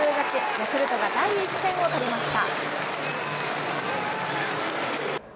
ヤクルトが第１戦を取りました。